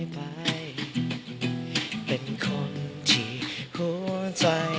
ขอบคุณค่ะ